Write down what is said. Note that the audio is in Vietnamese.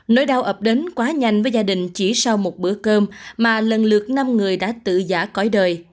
nỗi đau ập đến quá nhanh với gia đình chỉ sau một bữa cơm mà lần lượt năm người đã tự giả cõi đời